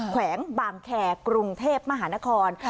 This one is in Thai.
แขวงบางแคร์กรุงเทพมหานคร